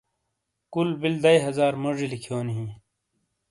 کُل بِل دئیی ہزار موجی لکھیونی ہِیں۔